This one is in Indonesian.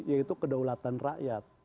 yaitu kedaulatan rakyat